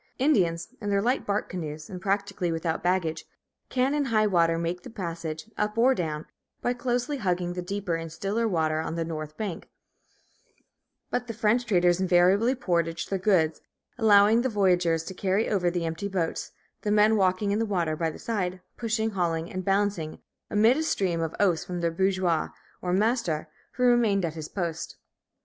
Indians, in their light bark canoes and practically without baggage, can, in high water, make the passage, up or down, by closely hugging the deeper and stiller water on the north bank; but the French traders invariably portaged their goods, allowing the voyageurs to carry over the empty boats, the men walking in the water by the side, pushing, hauling, and balancing, amid a stream of oaths from their bourgeois, or master, who remained at his post.